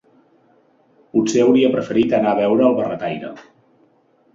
Potser hauria preferit anar a veure el barretaire!